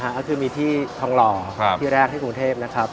ก็คือมีที่ทองหล่อที่แรกที่กรุงเทพนะครับ